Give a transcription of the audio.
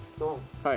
はい。